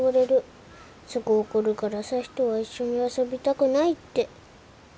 すぐ怒るから朝陽とは一緒に遊びたくないって。